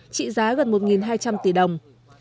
trị giá gần một hai trăm linh tỷ đồng